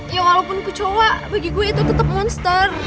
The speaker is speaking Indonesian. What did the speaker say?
ya walaupun kecoa bagi gue itu tetep monster